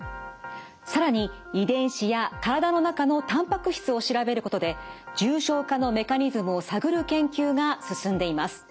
更に遺伝子や体の中のたんぱく質を調べることで重症化のメカニズムを探る研究が進んでいます。